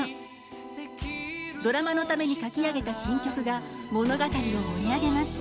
ドラマのために書き上げた新曲が物語を盛り上げます。